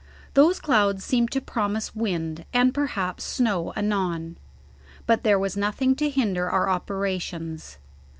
Those clouds seemed to promise wind and perhaps snow anon; but there was nothing to hinder our operations.